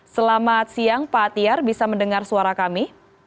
selamat siang pak tiar bisa mendengar suara kami